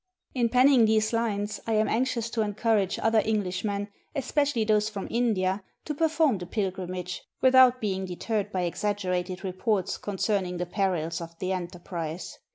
In penning these lines I am anxious to encourage other Englishmen, especially those from India, to per form the pilgrimage, without being deterred by exag gerated reports concerning the perils of the enterprise.